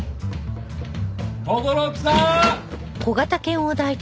轟木さん！